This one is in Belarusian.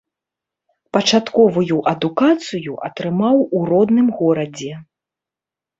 Пачатковую адукацыю атрымаў у родным горадзе.